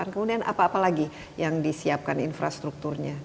kemudian apa apa lagi yang disiapkan infrastrukturnya